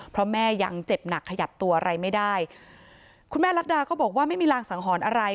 เพราะแม่ยังเจ็บหนักขยับตัวอะไรไม่ได้คุณแม่รัฐดาก็บอกว่าไม่มีรางสังหรณ์อะไร